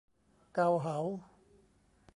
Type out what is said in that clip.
เกาเหา !